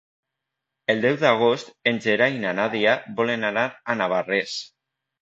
El deu d'agost en Gerai i na Nàdia volen anar a Navarrés.